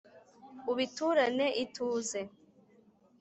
ubiturane ituze ?